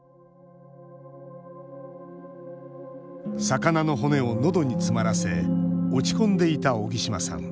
魚の骨をのどに詰まらせ落ち込んでいた荻島さん。